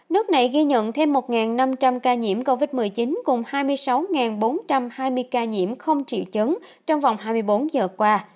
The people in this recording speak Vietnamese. nước này ghi nhận thêm một năm trăm linh ca nhiễm covid một mươi chín cùng hai mươi sáu bốn trăm hai mươi ca nhiễm không triệu chứng trong vòng hai mươi bốn giờ qua